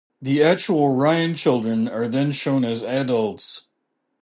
The actual Ryan children are then shown as adults.